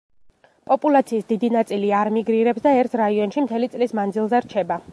პოპულაციის დიდი ნაწილი არ მიგრირებს და ერთ რაიონში მთელი წლის მანძილზე რჩება.